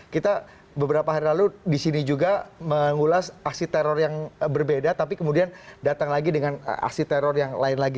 kita beberapa hari lalu di sini juga mengulas aksi teror yang berbeda tapi kemudian datang lagi dengan aksi teror yang lain lagi